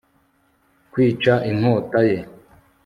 Kwica inkota ye